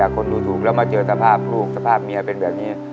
คนดูถูกแล้วมาเจอสภาพลูกสภาพเมียเป็นแบบนี้